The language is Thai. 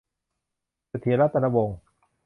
เสถียร รัตนวงศ์